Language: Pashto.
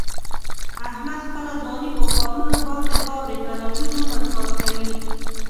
احمد خپله ځواني په کارونو باندې خاورې کړله. ټول عمر کار کوي.